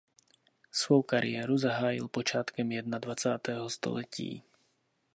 Svou kariéru zahájil počátkem jednadvacátého století.